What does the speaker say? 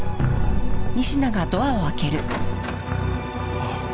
あっ。